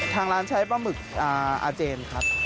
ทางร้านใช้ปลาหมึกอาเจนครับ